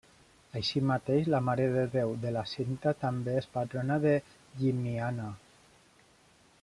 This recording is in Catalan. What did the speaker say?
Així mateix la Mare de Déu de la Cinta també és patrona de Llimiana.